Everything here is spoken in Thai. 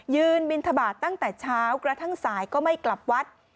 บินทบาทตั้งแต่เช้ากระทั่งสายก็ไม่กลับวัด